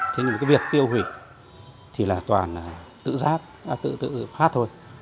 thế nhưng việc tiêu hủy thì toàn tự phát thôi